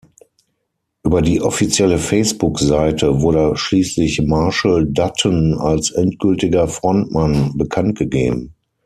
Über die offizielle Facebook-Seite wurde schließlich Marshal Dutton als endgültiger Frontmann bekanntgegeben.